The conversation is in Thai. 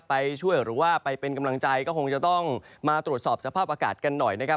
ไปช่วยหรือว่าไปเป็นกำลังใจก็คงจะต้องมาตรวจสอบสภาพอากาศกันหน่อยนะครับ